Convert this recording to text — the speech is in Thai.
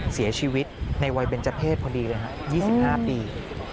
เสียชีวิตในวัยเบนเจอร์เพศพอดีเลยครับ๒๕ปี